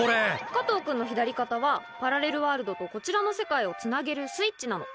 加藤くんの左肩はパラレルワールドとこちらの世界を繋げるスイッチなの。